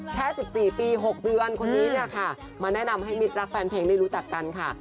แค่๑๔ปี๖เดือนคนนี้เนี่ยค่ะมาแนะนำให้มิดรักแฟนเพลงได้รู้จักกันค่ะ